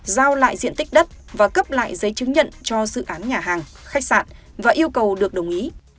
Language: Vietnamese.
giao lại diện tích đất và cấp lại giấy chứng nhận cho dự án nhà hàng khách sạn và yêu cầu được đồng ý